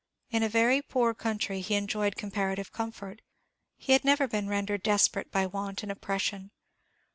In a very poor country he enjoyed comparative comfort; he had never been rendered desperate by want and oppression.